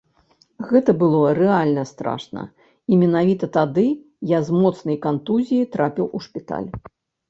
Гэта было рэальна страшна, і менавіта тады я з моцнай кантузіяй трапіў у шпіталь.